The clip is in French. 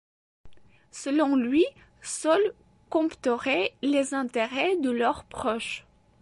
Selon lui, seuls compteraient les intérêts de leurs proches.